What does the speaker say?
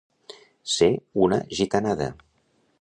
Ser una gitanada.